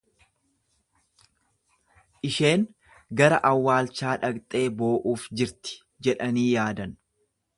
Isheen gara awwaalchaa dhaqxee boo'uuf jirti jedhanii yaadan.